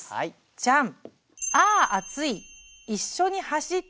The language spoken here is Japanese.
じゃん。